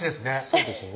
そうですね